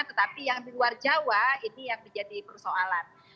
tetapi yang di luar jawa ini yang menjadi persoalan